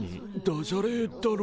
ダジャレだろ。